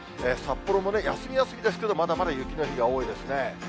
札幌も休み休みですけど、まだまだ雪の日が多いですね。